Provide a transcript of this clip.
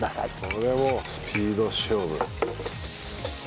これもうスピード勝負。